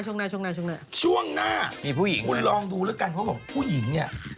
ช่วงหน้าทุกคนลองดูแล้วกันเพราะว่าผู้หญิงเนี่ย